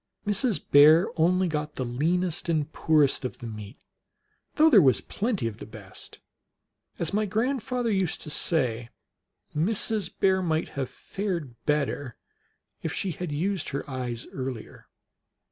Mrs. Bear only got the leanest and poorest of the meat, though there was plenty of the best. As niy grandfather used to say, Mrs. Bear might have fared better if she had used her eyes earlier.